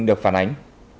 được phản ánh